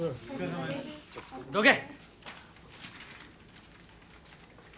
どけ！